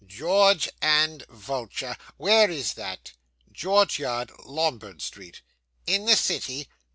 'George and Vulture. Where is that?' 'George Yard, Lombard Street.' 'In the city?